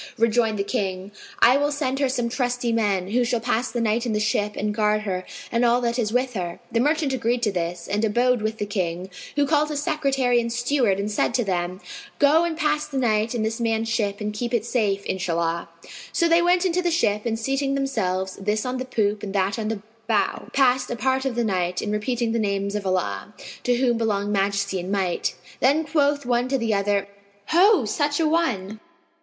Rejoined the King, "I will send her some trusty men, who shall pass the night in the ship and guard her and all that is with her." The merchant agreed to this and abode with the King, who called his secretary and steward and said to them, "Go and pass the night in this man's ship and keep it safe, Inshallah!" So they went up into the ship and seating themselves, this on the poop and that on the bow, passed a part of the night in repeating the names of Allah (to whom belong Majesty and Might!). Then quoth one to the other, "Ho, such an one!